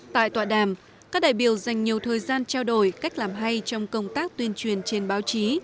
tại tọa đàm các đại biểu dành nhiều thời gian trao đổi cách làm hay trong công tác tuyên truyền trên báo chí